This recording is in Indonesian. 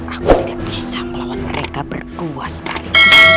aku tidak bisa melawan mereka berdua sekali